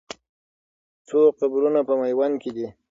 څو قبرونه په میوند کې دي؟